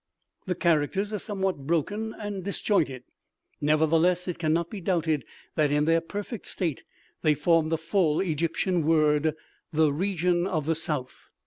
The characters are somewhat broken and disjointed; nevertheless, it can not be doubted that, in their perfect state, they formed the full Egyptian word, "The region of the south."